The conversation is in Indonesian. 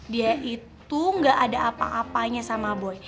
dia itu gak ada apa apanya sama boy